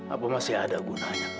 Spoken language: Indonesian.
apa masih ada gunanya kamu cari dia